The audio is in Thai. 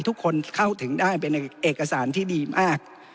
ทุกคนเข้าถึงได้เป็นเอกสารที่ดีมาก